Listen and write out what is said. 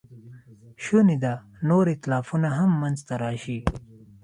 شونې ده نور ایتلافونه هم منځ ته راشي.